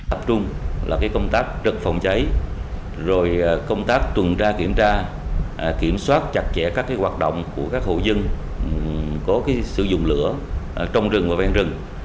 tập trung là công tác trực phòng cháy rồi công tác tuần tra kiểm tra kiểm soát chặt chẽ các hoạt động của các hộ dân có sử dụng lửa trong rừng và ven rừng